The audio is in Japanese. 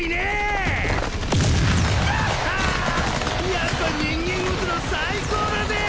やっぱ人間撃つの最高だぜえ！